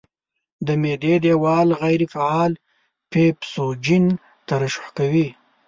د معدې دېوال غیر فعال پیپسوجین ترشح کوي.